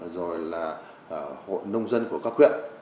rồi là hội nông dân của các quyện